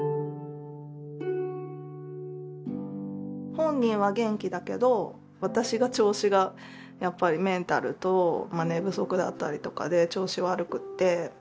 本人は元気だけど私が調子がやっぱりメンタルと寝不足だったりとかで調子悪くて。